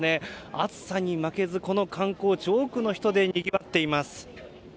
暑さに負けず、この観光地多くの人でにぎわっています。